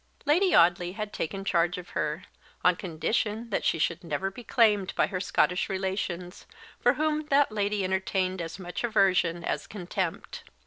Lady Audley had taken charge of her, on condition that she should never be claimed by her Scottish relations, for whom that lady entertained as much aversion as contempt.